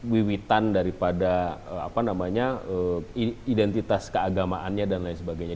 wiwitan daripada identitas keagamaannya dan lain sebagainya